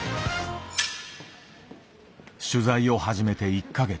取材を始めて１か月。